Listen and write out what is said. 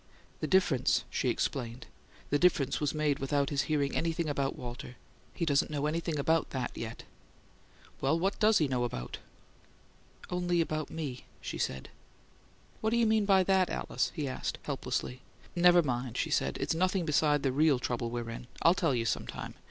"The difference," she explained "the difference was made without his hearing anything about Walter. He doesn't know about THAT yet." "Well, what does he know about?" "Only," she said, "about me." "What you mean by that, Alice?" he asked, helplessly. "Never mind," she said. "It's nothing beside the real trouble we're in I'll tell you some time.